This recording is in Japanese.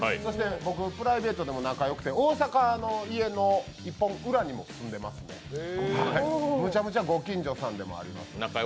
僕、プライベートでも仲が良くて大阪の家の一本裏にも住んでましてむちゃくちゃご近所さんでもあります。